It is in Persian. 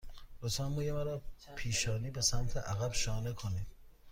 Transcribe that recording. لطفاً موی مرا از پیشانی به سمت عقب شانه کنید.